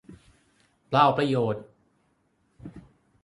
เปล่าประโยชน์